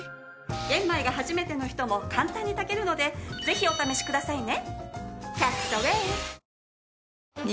玄米が初めての人も簡単に炊けるのでぜひお試しくださいね。